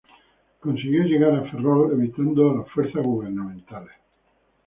Consiguió llegar a Ferrol evitando a las fuerzas gubernamentales.